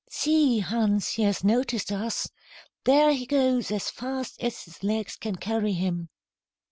"See! Hans, he has noticed us. There he goes as fast as his legs can carry him."